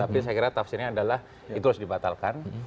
tapi saya kira tafsirnya adalah itu harus dibatalkan